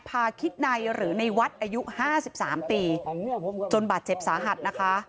คิดในหรือในวัดอายุห้าสิบสามปีจนบาดเจ็บสาหัสนะคะ